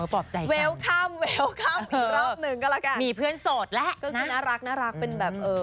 ปลอบใจค่ะมีเพื่อนโสดแล้วนะค่ะเป็นแบบเอ่อ